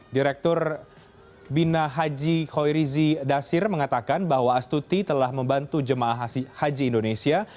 direktur bina haji khoirizi dasir mengatakan bahwa astuti telah membantu jemaah haji indonesia